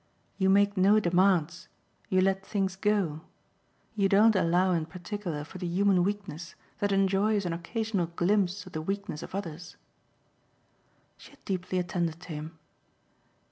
You make no demands. You let things go. You don't allow in particular for the human weakness that enjoys an occasional glimpse of the weakness of others." She had deeply attended to him.